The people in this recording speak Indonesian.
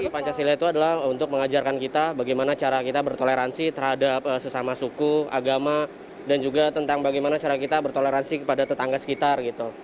pancasila itu adalah untuk mengajarkan kita bagaimana cara kita bertoleransi terhadap sesama suku agama dan juga tentang bagaimana cara kita bertoleransi kepada tetangga sekitar